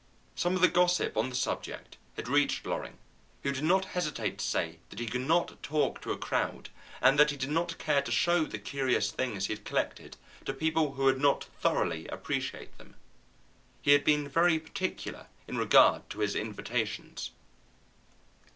Some of the gossip on the subject had reached Loring, who did not hesitate to say that he could not talk to a crowd, and that he did not care to show the curious things he had collected to people who would not thoroughly appreciate them. He had been very particular in regard to his invitations.